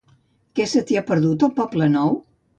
Què se t'hi ha perdut, a Poble Nou?